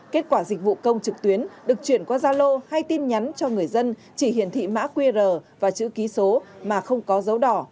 kết quả dịch vụ công trực tuyến được chuyển qua gia lô hay tin nhắn cho người dân chỉ hiển thị mã qr và chữ ký số mà không có dấu đỏ